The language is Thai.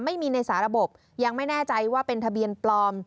ไม่มีในสาระบบยังไม่แน่ใจว่าเป็นทะเบียนปลอม